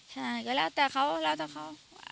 ใช่ก็แล้วแต่เขาแล้วแต่เขา